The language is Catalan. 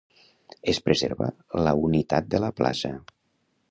Es preserva la unitat de la plaça.